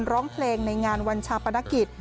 ร้องเพลงในงานวันชาปนกิจ